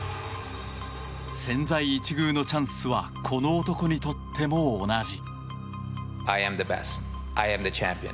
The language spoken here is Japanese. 千載一遇のチャンスはこの男にとっても同じ。